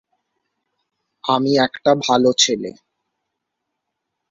কুরাইশদের প্রাচীন ইতিহাস সম্বন্ধে তার অগাধ জ্ঞান ছিল।